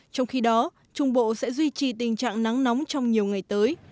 trong khi đó trung bộ sẽ duy trì tình trạng nắng nóng trong nhiều ngày tới